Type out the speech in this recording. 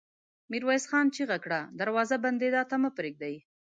ميرويس خان چيغه کړه! دروازه بندېدا ته مه پرېږدئ!